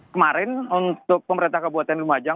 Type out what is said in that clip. kemarin untuk pemerintah kabupaten lumajang